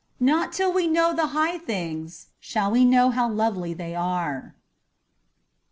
Not till we know the high things shall we know how lovely they are.